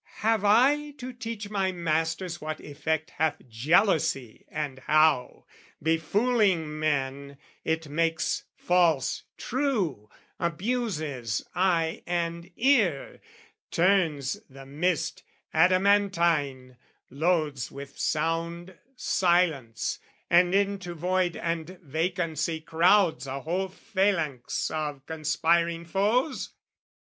Have I to teach my masters what effect Hath jealousy and how, befooling men, It makes false true, abuses eye and ear, Turns the mist adamantine, loads with sound Silence, and into void and vacancy Crowds a whole phalanx of conspiring foes?